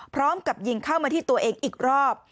พร้อมกับยิงเข้ามาที่ตัวเองอีกรอบ